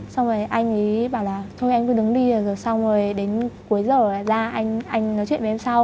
xong rồi anh ấy bảo là thôi em cứ đứng đi rồi xong rồi đến cuối giờ ra anh nói chuyện với em sau